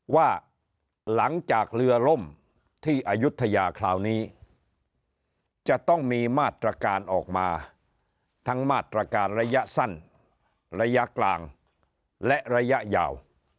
ว่าหลังจากเรือล่มที่อายุทยาคราวนี้จะต้องมีมาตรการออกมาทั้งมาตรการระยะสั้นระยะกลางและระยะยาว